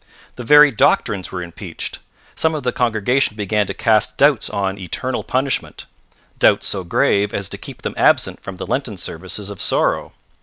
The very doctrines were impeached. Some of the congregation began to cast doubts on eternal punishment, doubts so grave as to keep them absent from the Lenten Services of Sorrow.